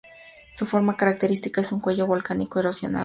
Su forma característica es un cuello volcánico erosionado.